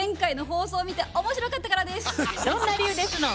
どんな理由ですのん。